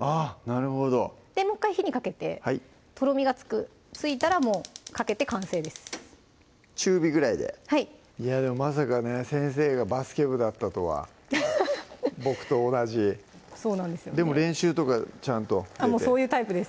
なるほどもう１回火にかけてとろみがついたらもうかけて完成です中火ぐらいではいまさかね先生がバスケ部だったとは僕と同じでも練習とかちゃんとあっそういうタイプです